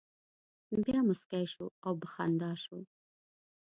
بیا مسکی شو او په خندا شو.